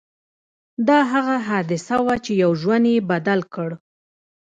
دا هغه حادثه وه چې يو ژوند يې بدل کړ.